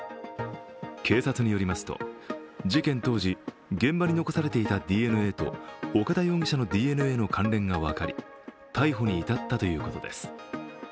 警察によりますと事件当時、現場に残されていたＤＮＡと岡田容疑者のＤＮＡの関連が分かり逮捕に至ったということです。